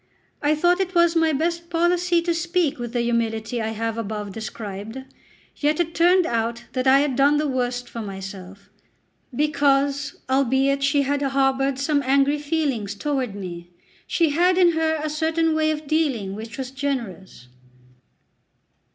I thought it was my best policy to speak with the humility I have above described; yet it turned out that I had done the worst for myself, because, albeit she had harboured some angry feelings toward me, she had in her a certain way of dealing which was generous.